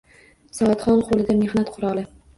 Savodxon qo’lida mehnat quroli.